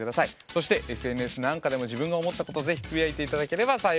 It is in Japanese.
そしてＳＮＳなんかでも自分が思ったことをぜひつぶやいて頂ければ幸いです。